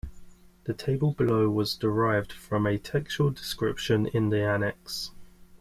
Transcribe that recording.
The table below was derived from a textual description in the annex.